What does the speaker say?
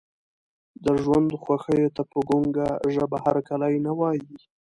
د ژوند خوښیو ته په ګونګه ژبه هرکلی نه وایي.